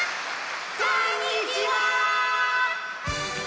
こんにちは！